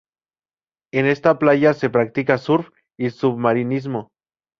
En esta playa se practica surf y submarinismo.